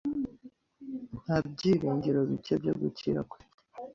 Nta byiringiro bike byo gukira kwe.